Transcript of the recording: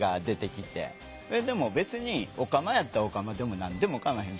でも別にオカマやったらオカマでも何でもかまへん。